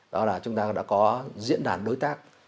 đó là chúng ta đã có diễn đàn đối tác